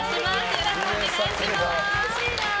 よろしくお願いします。